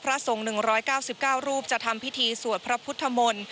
พระทรง๑๙๙รูปจะทำพิธีสวัสพระพุธมณ